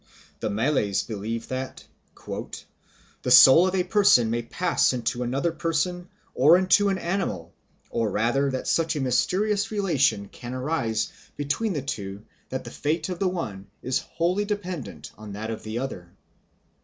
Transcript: The Malays believe that "the soul of a person may pass into another person or into an animal, or rather that such a mysterious relation can arise between the two that the fate of the one is wholly dependent on that of the other."